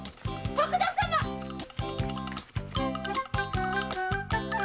徳田様っ！